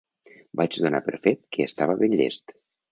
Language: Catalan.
Vaig donar per fet que estava ben llest